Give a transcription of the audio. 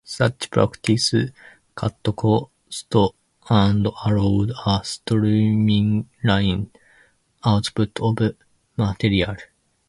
Such practice cut costs and allowed a streamlined output of material.